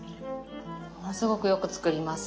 ものすごくよく作ります。